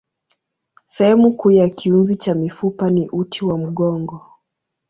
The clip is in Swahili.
Sehemu kuu ya kiunzi cha mifupa ni uti wa mgongo.